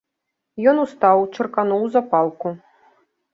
Ён устаў, чыркануў запалку.